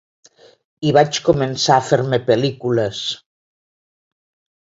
I vaig començar a fer-me pel·lícules.